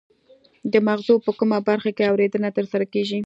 د مغزو په کومه برخه کې اوریدنه ترسره کیږي